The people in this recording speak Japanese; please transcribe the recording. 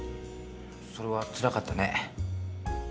それはつらかったね。